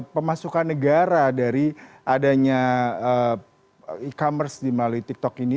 pemasukan negara dari adanya e commerce di melalui tiktok ini